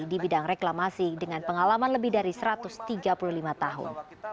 di bidang reklamasi dengan pengalaman lebih dari satu ratus tiga puluh lima tahun